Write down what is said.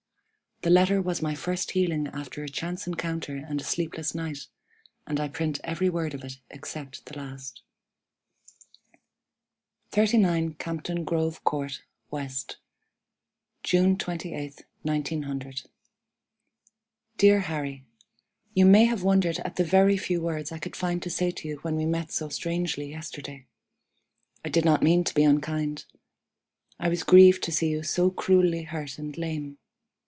The letter was my first healing after a chance encounter and a sleepless night; and I print every word of it except the last. "39 CAMPDEN GROVE COURT, W., "June 28, 1900. "DEAR HARRY: You may have wondered at the very few words I could find to say to you when we met so strangely yesterday. I did not mean to be unkind. I was grieved to see you so cruelly hurt and lame.